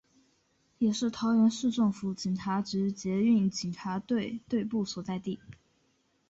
也是桃园市政府警察局捷运警察队队部所在地。